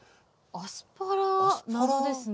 アスパラ謎ですね。